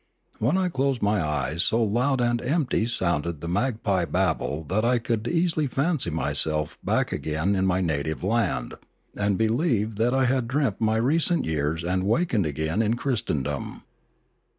When I closed my eyes so loud and empty sounded the magpie babel I could easily fancy myself back again in my native land, and believe that I had dreamt my recent years and wakened again in Christ endom.